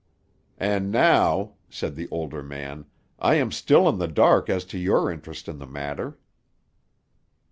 "And now," said the older man, "I am still in the dark as to your interest in the matter."